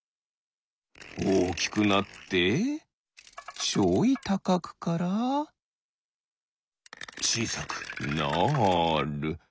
おおきくなってちょいたかくからちいさくなる。